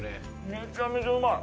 めちゃめちゃうまい。